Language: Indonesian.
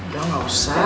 dong gak usah